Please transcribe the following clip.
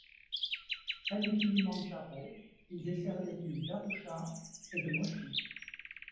Près du Kilimandjaro, il dessert les villes d'Arusha et de Moshi.